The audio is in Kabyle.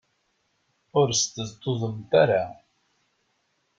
Ur sṭeẓṭuẓemt ara.